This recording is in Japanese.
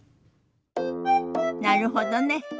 なるほどね。